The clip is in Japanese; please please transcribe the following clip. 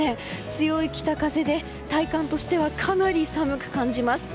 強い北風で、体感としてはかなり寒く感じます。